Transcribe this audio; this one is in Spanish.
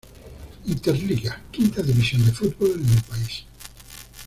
Inter Liga, quinta división de fútbol en el país.